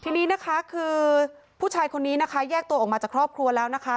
ทีนี้นะคะคือผู้ชายคนนี้นะคะแยกตัวออกมาจากครอบครัวแล้วนะคะ